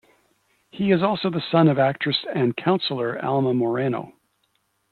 He is also the son of actress and councilor Alma Moreno.